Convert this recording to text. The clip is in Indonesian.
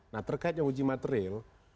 nah terkaitnya uji materil